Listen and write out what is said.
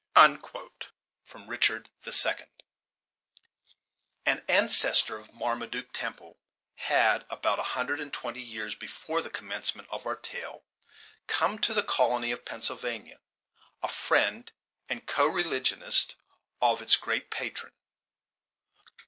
Richard II An ancestor of Marmaduke Temple had, about one hundred and twenty years before the commencement of our tale, come to the colony of Pennsylvania, a friend and co religionist of its great patron.